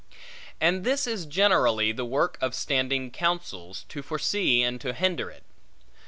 And this is generally the work of standing counsels, to foresee and to hinder it.